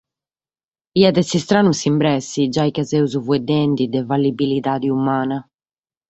Diat èssere istranu s’imbesse, giai chi semus faeddende de fallibilidade umana.